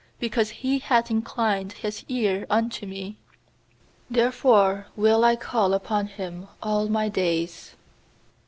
2Because He hath inclined His eai unto me, Therefore will I call upon Him all my days.